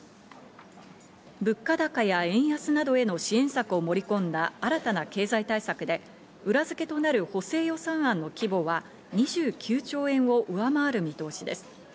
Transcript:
物価高や円安などへの支援策を盛り込んだ新たな経済対策で、裏付けとなる補正予算案の規模は２９兆円を上回る見通しです。